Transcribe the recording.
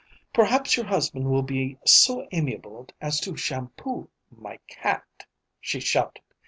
"Perhaps your husband will be so amiable as to shampoo my cat!" she shouted.